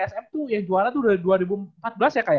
yang juara tuh udah dua ribu empat belas ya kakak ya